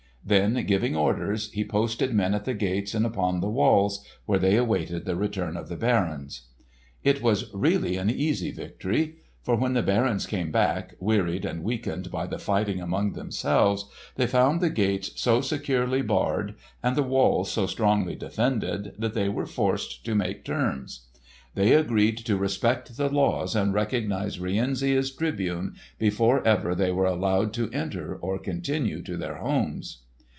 Then giving orders, he posted men at the gates and upon the walls, where they awaited the return of the barons. It was really an easy victory. For when the barons came back wearied and weakened by the fighting among themselves, they found the gates so securely barred and the walls so strongly defended that they were forced to make terms. They agreed to respect the laws and recognise Rienzi as Tribune, before ever they were allowed to enter or continue to their homes.